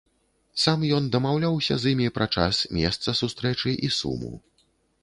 Сам ён дамаўляўся з імі пра час, месца сустрэчы і суму.